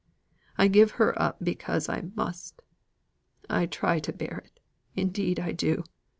I give her up because I must. I try to bear it: indeed I do.